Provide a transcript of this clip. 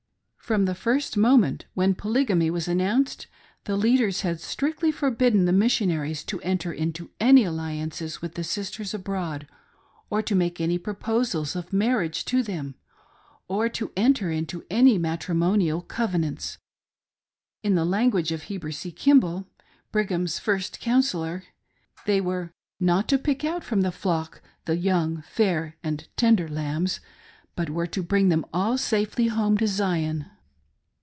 From the first moment when Polygamy was announced, the leaders had strictly forbidden the missionaries to enter into any alliances with the sisters abroad, or to make' any proposals of marriage to them, or to enter into any matri monial covenants. In the language of Heber C. Kimball ^ Brigham's first counsellor— they were " not to pick out from the flock the young, fair, and tender lambs," but were to bring them all safely home to Zion.